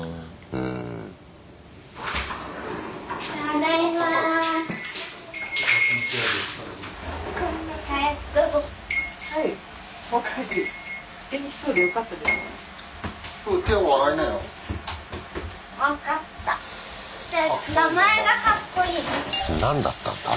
うん。何だったんだ？